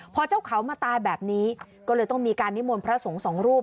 พอเจ้าเขามาตายแบบนี้ก็เลยต้องมีการนิมนต์พระสงฆ์สองรูป